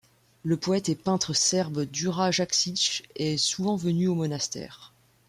Le poète et peintre serbe Đura Jakšić est souvent venu au monastère.